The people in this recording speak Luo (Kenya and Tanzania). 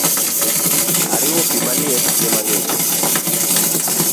Ariwo pi maliet gi mang’ich